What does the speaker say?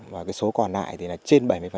và số còn lại thì là trên bảy mươi